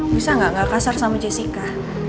bisa gak gak kasar sama jessica